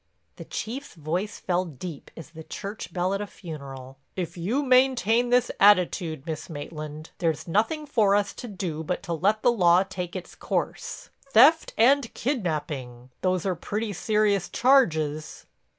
The Chief's voice fell deep as the church bell at a funeral: "If you maintain this attitude, Miss Maitland, there's nothing for us to do but let the law take its course. Theft and kidnaping! Those are pretty serious charges."